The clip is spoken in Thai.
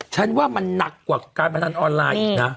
ฉันว่ามันหนักกว่าการพนันออนไลน์อีกนะ